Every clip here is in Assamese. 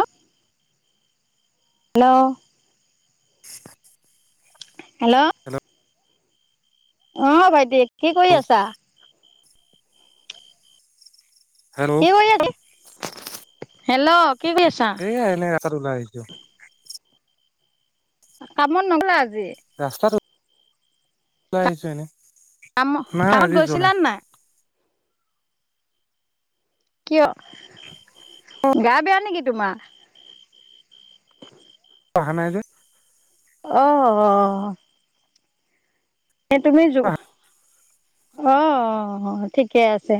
অ হেল্ল' [inaudible] হেল্ল' আহ ভাইটি কি কৰি আছা। হেল্ল' কি কৰি আছা হেল্ল' কি কৰি আছা? সেয়াই এনেই আছো। কামত নগলা আজি ৰাস্তাত তো কাম কামত গৈছিলো কিয় গা বেয়া নেকি তোমাৰ। তই অহা নাই যে অহ অহ নে তুমি যো অ ঠিকে আছে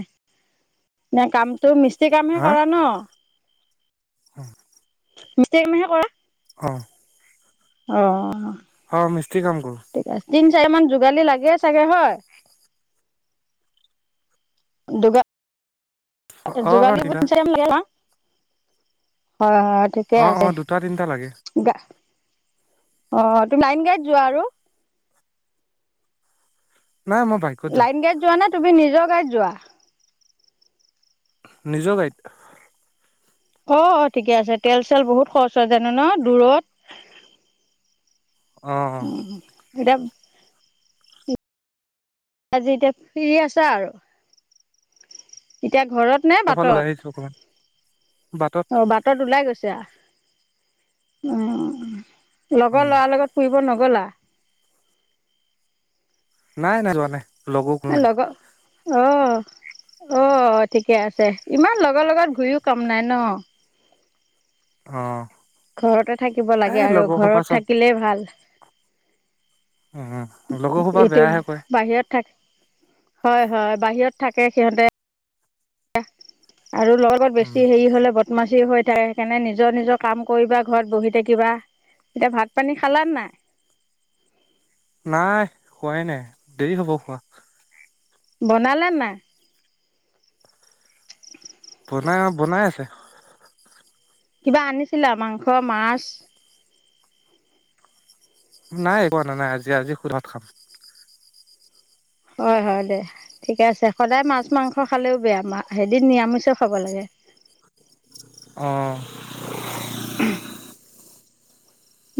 নে কাম তুমি মিস্ত্ৰী কামহে হা কৰা ন [unintelligible] মিস্ত্ৰী কামহে কৰা অ অহ অ মিস্ত্ৰী কাম কৰো তিন চাৰিমান যোগালী লাগে চাগে হয় দোকা অ অ যোগালী বুলি তিনটা তিনি চাৰি বোলোন হো হয় হয় ঠিকে অ অ আছে দুটা তিনটা লাগে গা অঁহ লাইন গাড়ী ত যোৱা আৰু নাই মই বাইকত যাওঁ লাইন গাড়ীত যোৱা নে তুমি নিজৰ গাড়ীত যোৱা নিজৰ গাড়ীত অ অ ঠিকে আছে তেল চেল বহুত খৰচ হয় জানো ন দূৰত অ অ [unintelligible] আজি এতিয়া ফ্ৰী আছা আৰু। এতিয়া ঘৰত নে সেইফালে ওলাই আহিছো বাটত? অকমান বাটত অ বাটত ওলাই গৈছা? উম, উম লগৰ লৰাৰ লগত ফুৰিব নগলা? নাই নাই যোৱা নাই, লগৰ কোনো নাই। অহ। অ ঠিকে আছে, ইমান লগৰ লগত ঘূৰিও কাম নাই ন। অ। ঘৰতে থাকিব এই লাগে আৰু লগৰ সোপা ঘৰত চব থাকিলে ভাল। উম লগৰ সোপা এইটো বেয়াহে কয় বাহিৰত থাকে। হয় হয় বাহিৰত থাকে সিহঁতে। আৰু লগ লগত উম বেছি হেৰি হলে বদমাছ যি হৈ থাকে সেইকাৰনে নিজৰ নিজৰ কাম কৰিবা, ঘৰত বহি থাকিবা। এতিয়া ভাত পানী খালা নাই? নাই, খোৱাই নাই দেৰি হ'ব খোৱা। বনালে নাই? বনাই বনাই আছে। কিবা আনিছিলা মাংস, মাছ? নাই একো অনা নাই আজি আজি সুদা ভাত খাম। হয় হয় দে, ঠিকে আছে সদায় মাছ, মাংস খালেও বেয়া মা এদিন নিৰামিষেও খাব লাগে। [unintelligible] অঁ। [unintelligible]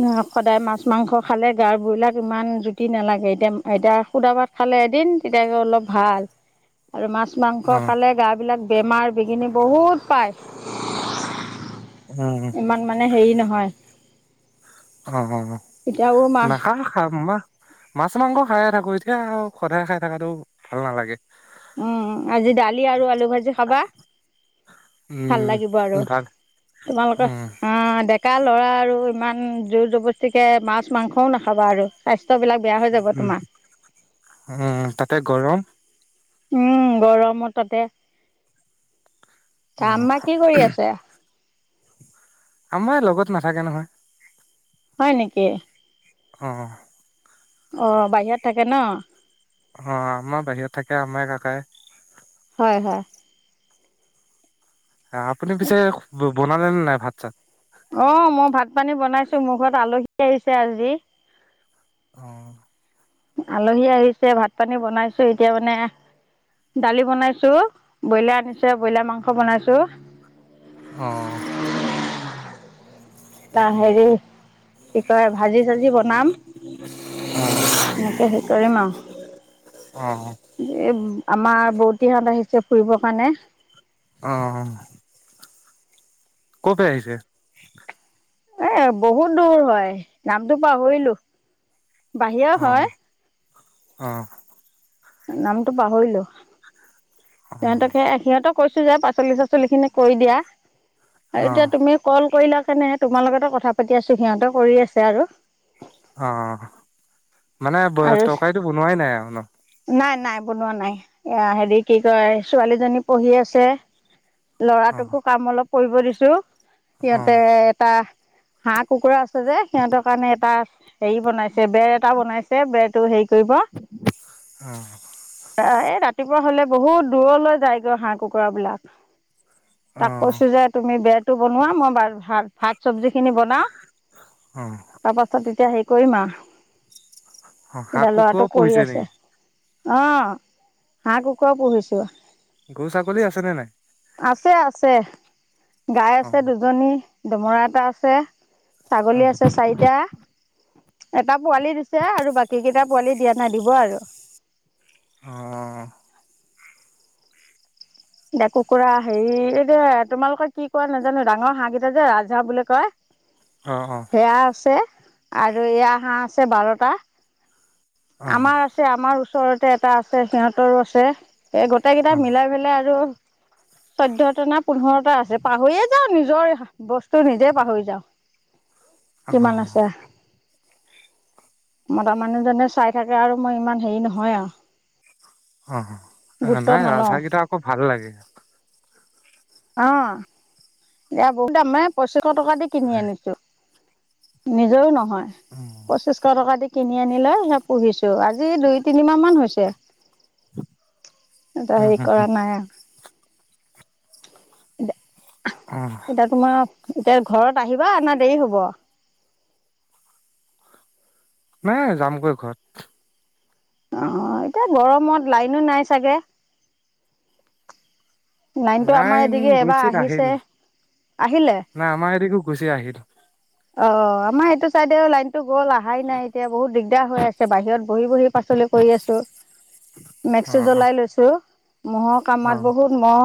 ন সদায় মাছ- মাংস খালে গাৰ বইলাক ইমান জুতি নালাগে এতিয়া এতিয়া সুদা ভাত খালে বুলে এদিন তেতিয়াহে অলপ ভাল, আৰু মাছ মাছ অ -মাংস খালে গাবিলাক বেমাৰ বিঘিনি বহুত পায়। উম, ইমান মানে হেৰি নহয়। অ অ অ, এতিয়াও মাছ নাখা খাম মা মাছ -মাংস খাই থাকো কৰি উঠে আৰু সদায় খাই থকাটো ভাল নালাগে। উম, আজি দালি আৰু আলু ভাজি খাবা। ভাল উম, লাগিব আৰু ভাল তোমালোকৰ উম, অ ডেকা ল'ৰা আৰু ইমান জোৰ জবস্তিকে মাছ- মাংসও নাখাবা আৰু স্বাস্থ্য উম উম তাতে গৰম। উম গৰমত ততে- তাম অ', মা কি কৰি আছে? আমাৰ লগত নাথাকে নহয়। হয় নেকি? অ। অ বাহিৰত থাকে ন। অ আমাৰ বাহিৰত থাকে আমাই, কাকাই। হয়। আপুনি পিছে বনালে নে নাই ভাত চাত? অ মই ভাত পানী বনাইছো, মোৰ ঘৰত আলহী আহিছে আজি। অ। আলহী আহিছে ভাত -পানী বনাইছো এতিয়া মানে দালি বনাইছোঁ, ব্ৰইলাৰ আনিছে ব্ৰইলাৰ মাংস বনাইছোঁ। অহ। তা হেৰি কি কয় ভাজি চাজি বনাম। এনেকেহে কৰিম অ', আৰু এই আমাৰ বৌতিহত আহিছে ফুৰিব কাৰণে। অ'। কৰ পে আহিছে? এ বহুত দূৰ হয় নামটো পাহৰিলো। বাহিৰৰ অ', হয়। অ'। নামটো পাহৰিলো। অ', সিহঁতক সে সিহঁতক কৈছো যে পাচলি-চাচলি খিনি কৰি দিয়া, এতিয়া অ', তুমি কল কৰিলা কাৰনে তোমাৰ লগতে কথা পাতি আছোঁ, সিহঁতে কৰি আছে আৰু। অ' মানে ব আৰু তৰকাৰীটো বনোৱাই নাই আৰু ন? নাই নাই বনোৱা নাই এয়া হেৰি কি কয় ছোৱালীজনী পঢ়ি আছে। অ', ল'ৰাটোকো কাম অলপ কৰিব দিছোঁ, সিহঁতে অ', এটা হাঁহ কুকুৰা আছে যে সিহঁতৰ কাৰণে এটা হেৰি বনাইছে বেৰ এটা বনাইছে বেৰটো হেৰি কৰিব। অ', এই ৰাতি পুৱা হলে বহুত দূৰলৈ যায়গৈ হাঁহ- কুকুৰা বিলাক। তাক অ', কৈছো যে তুমি বেত টো বনোৱা মই বাজ ভাত ভাত চব্জি খিনি বনাও। অ'। তাৰ পাছত তেতিয়া হেৰি কৰিম আৰু। অ হাঁহ এতিয়া কুকুৰাও ল'ৰাটো কৰি পুহিছে আছে। নেকি অ' হাঁহ, কুকুৰা পুহিছো। গৰু, ছাগলী আছেনে নাই? আছে আছে। গাই অ আছে দুজনী, দমৰা এটা আছে। অ ছাগলী আছে চাৰিটা, এটা পোৱালি দিছে আৰু বাকী কেইটা পোৱালি দিয়া নাই দিব আৰু। অহ। দে কুকুৰা হেৰি এই যে তোমালোকৰ কি কোৱা নাজানো ডাঙৰ হাঁহ কেইটা যে ৰাজহাঁহ বুলি কয়। অ অ সেয়া আছে আৰু এয়া হাঁহ আছে বাৰটা। আমাৰ আছে, আমাৰ ওচৰতে এটা আছে, ‌সিহঁতৰো আছে। এই গোটেই কেটাই মিলাই ফেলাই আৰু চৈধ্যটা না পোন্ধৰটা আছে। পাহৰিয়ে যাওঁ নিজৰে‌ হা বস্তু নিজে পাহৰি যাওঁ। অ অ কিমান আছে? মতা মানুহজনে চাই‌ থাকে আৰু মই ইমান হেৰি নহয় আৰু। অহ। গুৰুত্ব নাই নলওঁ ৰাজহাঁহ গিতা আকৌ ভাল লাগে। অ' এয়া বহুত দাম মানে পঁচিছশ টকা দি কিনি আনিছোঁ। নিজৰো নহয় উম পঁচিছশ টকা দি কিনি আনি লৈ সেই পুহিছো। আজি দুই তিনি মাহ মান হৈছে। এটা হুম হেৰি হুম কৰা নাই আৰু। অ [unintelligible] এতিয়া তোমাৰ এতিয়া ঘৰত আহিবা না দেৰি হ'ব? নাই যামগৈ ঘৰত। অ' এতিয়া গৰমত লাইনো নাই চাগে। লাইনটো আমাৰ লাইন এদিকে এবাৰ গৈছিল, আহিছে আহিল। আহিলে নাই আমাৰ এইদিগো গুচি আহিল। অ' আমাৰ এইটো চাইডেও লাইনতো গ'ল আহাই নাই এতিয়া বহুত দিগদাৰ হৈ আছে বাহিৰত বহি বহি পাচলি কৰি আছো। অ মেক্সটো অ জ্বলাই লৈছো। মহৰ অ কামাত বহুত মহ।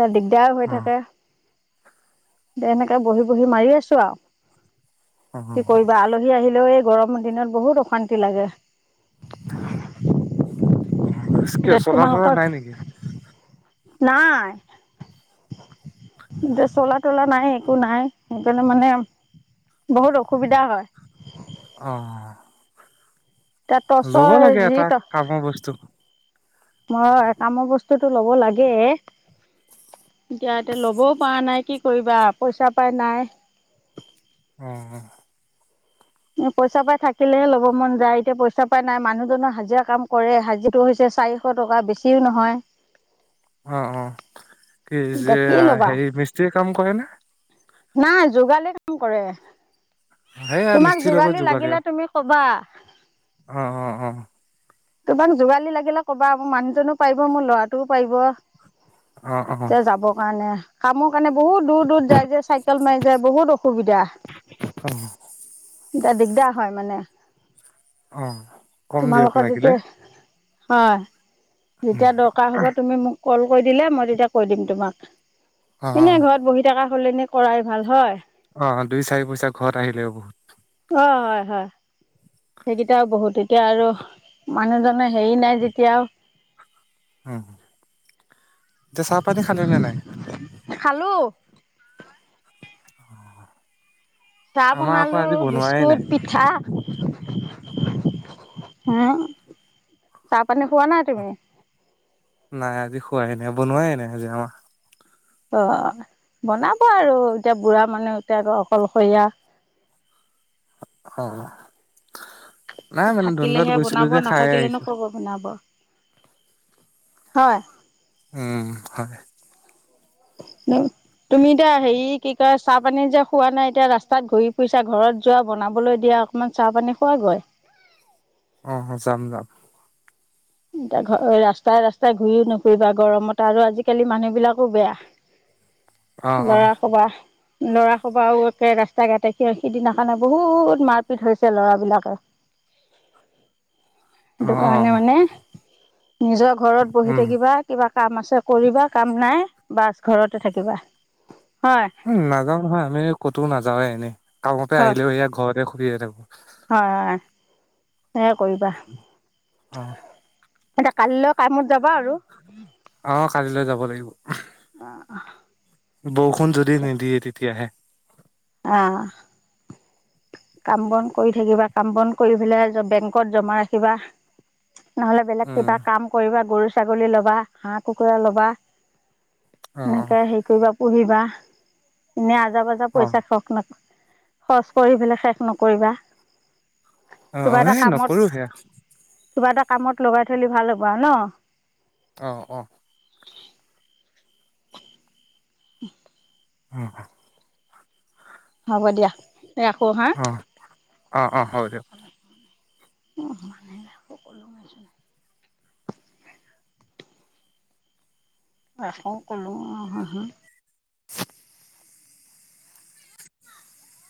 তা দিগদাৰ হৈ অ থাকে। [unintelligible] এনেকে বহি বহি মাৰি আছো আৰু অ কি কৰিবা আলহী আহিল। লেও এই গৰমৰ দিনত বহুত অশান্তি লাগে। কিয় এতিয়া চলাৰ তোমালোকৰ থলাৰ নাই নেকি? নাই। এতিয়া চলা তলা নাই একো নাই সেইকাৰনে মানে বহুত অসুবিধা হয় আহ এতিয়া ল'ব টৰ্চৰ লাগে যি এটা কামৰ বস্তু মই কামৰ বস্তুতটো ল'ব লাগে এতিয়া এতিয়া ল'বও পৰা নাই কি কৰিবা পইচা পাই নাই অঁ পইচা পাই থাকিলেহে ল'ব মন যায় এতিয়া পইচা পাই নাই মানুহজনৰ হাজিৰা কাম কৰে হাজিৰা হৈছে চাৰিশ টকা বেছিও নহয় অ অ কি এতিয়া যে কি ল'বা হেৰি মিস্ত্ৰীয়ে কাম কৰে ন নাই যোগালি কাম কৰে সেয়া তোমাক মিস্ত্ৰীৰ লগত যোগালী যোগালি আৰু লাগিলে তুমি কবা অ', অ', অ', তোমাক যোগালি লাগিলে কবা মোৰ মানুহজনো পাৰিব মোৰ ল'ৰাটোও পাৰিব অ', অ', এতিয়া যাবৰ কাৰণে কামো কাৰণে বহুত দূৰ দূৰ যায় যে চাইকেল মাৰি যায় বহুত অসুবিধা অ', এতিয়া দিগদাৰ হয় মানে অ কম দিবক লাগিব [unintelligible] তে হয় উম, যেতিয়া দৰকাৰ হ'ব তুমি মোক কল কৈ দিলে মই তেতিয়া কৈ দিম তোমাক অ', এনেই অ', ঘৰত বহি থকা হলনি কৰাই ভাল হয় অ দুই চাৰি পইচা ঘৰত আহিলে বহুত হয় হয় হয় সেইকেইটাও বহুত এতিয়া আৰু মানুহজনে হেৰি নাই যেতিয়াও উ এতিয়া চাহ পানী খালে নে নাই খালো [inaudible] চাহ আমাৰ আকৌ বনালো আজি বনোৱাই বিস্কুট নাই। পিঠা হম চাহ পানী খোৱা নাই তুমি নাই আজি খোৱাই নাই বনোৱাই নাই আজি আমাৰ অ বনাব আৰু এতিয়া বুঢ়া মানুহ এতিয়া আকৌ অকলশৰীয়া [inaudible] অ নাই মানে ধুন্দুৱাত থাকিলেহে গৈছিলো বনাব যে খাই নাথাকিলে নো আহিছো কৰ পৰা বনাব হয় উম হয় ন তুমি এতিয়া হেৰি কি কয় চাহ পানী যে খোৱা নাই এতিয়া ৰাস্তাত ঘূৰি ফুৰিছা ঘৰত যোৱা বনাবলৈ দিয়া অকমান চাহ পানী খুৱা গৈ অ যাম যাম। এয়া ঘ ৰাস্তাই ৰাস্তাই ঘূৰিও নুফুৰিবা গৰমতে আৰু আজিকালি মানুহ বিলাকো বেয়া অ', অ', লৰা কবা লৰা সবাও একে ৰাস্তা ঘাটে সি সিদিনা কাৰণে বহুত মাৰপিট হৈছে লৰাবিলাকে অ', সেটো কাৰণে অ', মানে নিজৰ ঘৰত বহি উম, থাকিবা কিবা কাম আছে কৰিবা কাম নাই বাছ ঘৰতে থাকিবা হয় উ নাযাও নহয় আমি ক'তোও নাযাওে এনেই কামতে হয় আহিলেও সেয়া ঘৰতে শুইয়ে থাকো। হয় হয়। সেয় কৰিবা অ। এয়া কাললৈ কামত যাবা আৰু অ কালিলৈ যাব লাগিব বা বৰষুণ যদি নিদিয়ে তেতিয়াহে, আহ। কাম বন কৰি থাকিবা কাম বন কৰি পেলাই বেংকত জমা ৰাখিবা। নহ'লে বেলেগ উম, কিবা কাম কৰিবা গৰু ছাগলী ল'বা হাঁহ কুকুৰা লবা। অ', অ', সেনেকে হেৰি কৰিবা পুহিবা এনে আজাৰ বজা অ', পইচা খক নাপ খৰচ কৰি পেলাই শেষ নকৰিবা। অ কিবা অ এটা এই কামত নকৰো সেয়া। কিবা এটা কামত লগাই থলে ভাল হ'ব আৰু ন। আহ অ। [unintelligible] উম উম। হ'ব দিয়া। ৰাখোঁ হা অ অ অ হব দে। [unintelligible] ৰাখোঁ কলোঁ হাঁহি